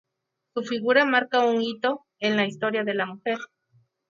Su figura marca un hito en la Historia de la mujer.